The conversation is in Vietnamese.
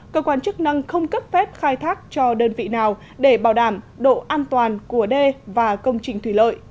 cơ quan chức năng không cấp phép khai thác cho đơn vị nào để bảo đảm độ an toàn của đê và công trình thủy lợi